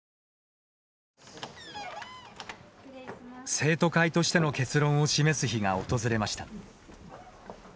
生徒会としての結論を示す日が訪れました。